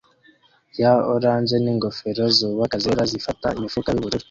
ya orange n'ingofero zubaka zera zifata imifuka yubururu